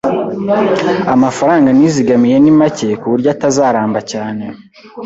Amafaranga nizigamiye ni make kuburyo atazaramba cyane.